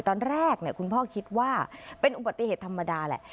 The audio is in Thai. ตอนแรกคุณพ่อคิดว่าเป็นอุบัติเหตุธรรมดาแหละ